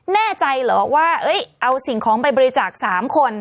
แน่ใจเหรอว่าเอาสิ่งของไปบริจาค๓คน